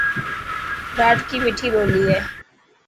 ڌاٽڪي مٺي ٻولي هي.